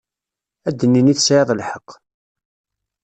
Ad nini tesɛiḍ lḥeqq.